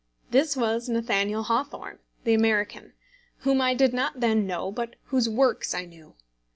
This was Nathaniel Hawthorne, the American, whom I did not then know, but whose works I knew.